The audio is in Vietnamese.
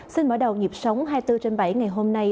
xin mở đầu nhịp sống hai mươi bốn trên bảy ngày hôm nay